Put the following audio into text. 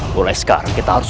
mulai sekarang kita harus